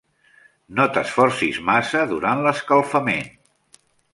No t'esforcis massa durant l'escalfament.